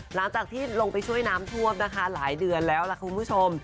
หลังจากที่ลงไปช่วยน้ำท่วมนะคะหลายเดือนแล้วล่ะคุณผู้ชม